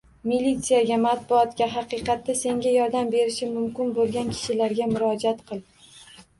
Militsiyaga, matbuotga, haqiqatda senga yordam berishi mumkin bo‘lgan kishilarga murojaat qil.